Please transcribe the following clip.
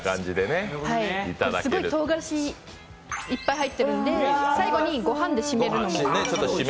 すごい、とうがらしいっぱい入ってるので最後に御飯で締めるのも。